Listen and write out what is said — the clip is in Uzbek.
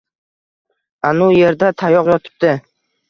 Ana u erda tayoq yotibdi